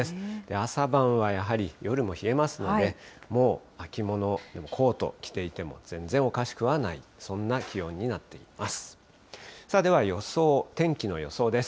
朝晩はやはり夜も冷えますので、もう、秋物、コート着ていても全然おかしくはない、そんな気温になっています。